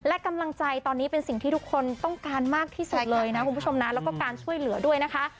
และกำลังใจตอนนี้เป็นสิ่งที่ทุกคนต้องการมากที่สุดเลยนะคุณผู้ชมนะแล้วก็การช่วยเหลือด้วยนะคะ